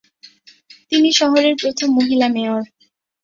তিনি শহরের প্রথম মহিলা মেয়র।